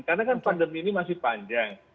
karena kan pandemi ini masih panjang